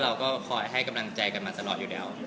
เราก็คอยให้กำลังใจอยู่แล้ว